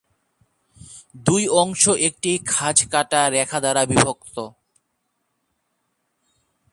দুই অংশ একটি খাঁজকাটা রেখা দ্বারা বিভক্ত।